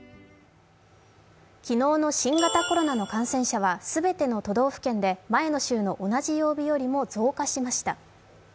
昨日の新型コロナの感染者は全ての都道府県で前の週の同じ曜日よりも増加しました。